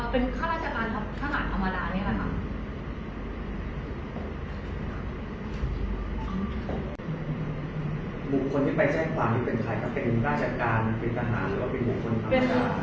บุคคลที่ไปแจ้งความที่เป็นใครก็เป็นราชการเป็นทหารหรือว่าเป็นบุคคลทำงาน